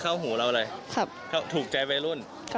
อ๋อตั้งแต่๙โมงครึ่งค่ะ